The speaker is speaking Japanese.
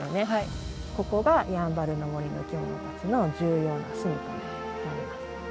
ここがやんばるの森の生き物たちの重要なすみかになります。